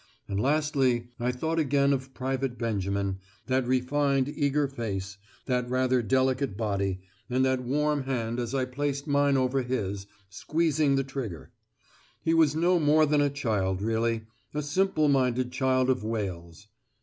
And lastly I thought again of Private Benjamin, that refined eager face, that rather delicate body, and that warm hand as I placed mine over his, squeezing the trigger. He was no more than a child really, a simple minded child of Wales.